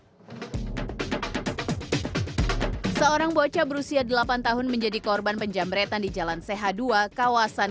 hai seorang bocah berusia delapan tahun menjadi korban penjamberetan di jalan ch dua kawasan